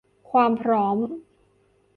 ความพร้อม